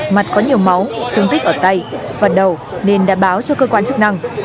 mặt có nhiều máu thương tích ở tay và đầu nên đã báo cho cơ quan chức năng